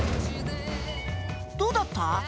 どうだった？